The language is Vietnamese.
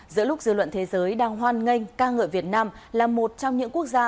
giữa lúc dư luận thế giới đang hoan nghênh ca ngợi việt nam là một trong những quốc gia